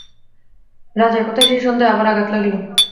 রাজার কথায় সেই সন্দেহে আবার আঘাত লাগিল।